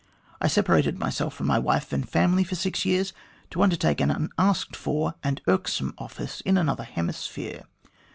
I separated myself from my wife and family for six years, to undertake an unasked for and irksome office in another hemisphere.